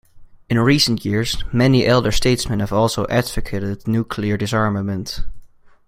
In recent years, many elder statesmen have also advocated nuclear disarmament.